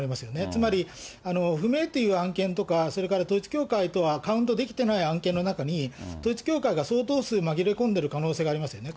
つまり不明っていう案件とか、それから統一教会とはカウントできてない案件の中に、統一教会が相当数紛れ込んでいる可能性ありますよね。